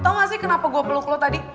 tau gak sih kenapa gue peluk peluk tadi